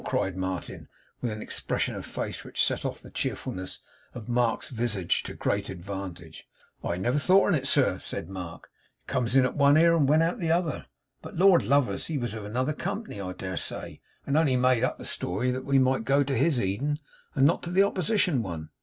cried Martin, with an expression of face which set off the cheerfulness of Mark's visage to great advantage. 'I never thought on it, sir,' said Mark. 'It come in at one ear, and went out at the other. But Lord love us, he was one of another Company, I dare say, and only made up the story that we might go to his Eden, and not the opposition one.